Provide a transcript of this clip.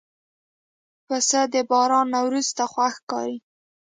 پسه د باران نه وروسته خوښ ښکاري.